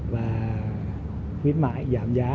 và khuyến mại giảm giá